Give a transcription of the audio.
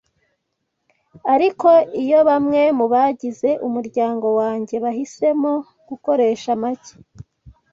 ariko iyo bamwe mu bagize umuryango wanjye bahisemo gukoresha make